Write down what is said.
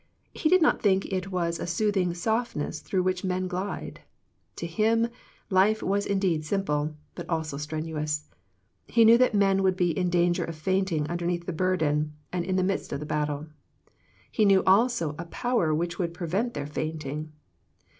He did not think it was a soothing softness through which men glide. To Him life was indeed simple, but also strenuous. He knew that men would be in dan ger of fainting underneath the burden and in the midst of the battle. He knew also a power which would prevent their fainting.